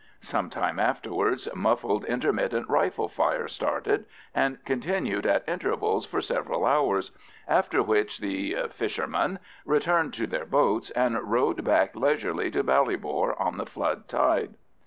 Some time afterwards, muffled intermittent rifle fire started, and continued at intervals for several hours, after which the "fishermen" returned to their boats, and rowed back leisurely to Ballybor on the flood tide.